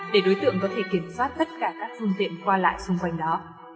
để đối tượng có thể kiểm soát tất cả các phương tiện qua lại xung quanh đó